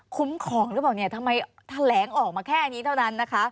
คุ้มของหรือเปล่าทำไมแถลงออกมาแค่อันนี้เท่านั้น